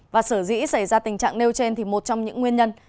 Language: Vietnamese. và sở dĩ xảy ra tình trạng nêu trên thì một trong những nguyên nhân